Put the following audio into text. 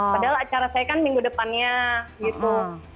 padahal acara saya kan minggu depannya gitu